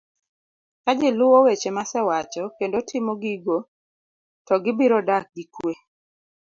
Ka ji oluwo weche ma asewacho kendo timo gigo to gibiro dak gi kue